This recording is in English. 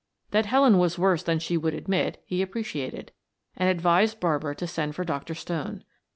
That Helen was worse than she would admit he appreciated, and advised Barbara to send for Dr. Stone.